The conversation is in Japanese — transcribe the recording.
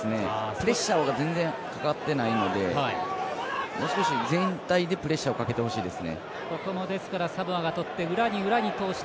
プレッシャーが全然かかってないのでもう少し全体でプレッシャーをかけてほしいです。